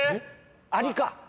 「アリ」か？